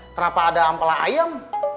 kenapa ada ampel ayam